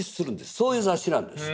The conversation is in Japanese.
そういう雑誌なんです。